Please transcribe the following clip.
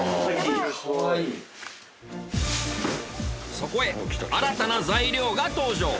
そこへ新たな材料が登場。